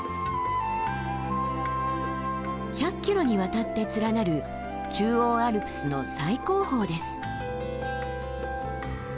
１００ｋｍにわたって連なる中央アルプスの最高峰です。